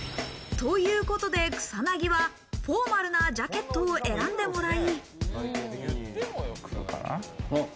ということで草薙はフォーマルなジャケットを選んでもらい。